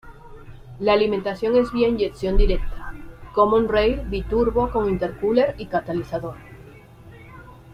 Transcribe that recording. La alimentación es vía inyección directa, common-rail, biturbo con intercooler y catalizador.